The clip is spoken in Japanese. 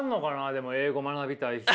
でも英語学びたい人。